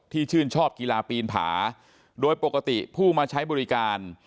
ชื่นชอบกีฬาปีนผาโดยปกติผู้มาใช้บริการ